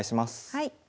はい。